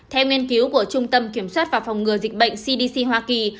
theo nghiên cứu của trung tâm kiểm soát và phòng ngừa dịch bệnh cdc hoa kỳ